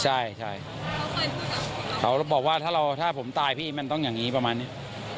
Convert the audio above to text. ใช่เขาบอกว่าถ้าเราถ้าผมตายพี่มันต้องอย่างนี้ประมาณนี้